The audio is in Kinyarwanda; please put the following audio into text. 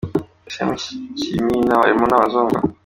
Ese muri iki kimina barimo n’abazungu?.